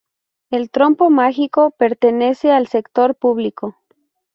El Trompo Mágico pertenece al sector público.